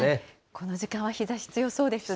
この時間は日ざし強そうですね。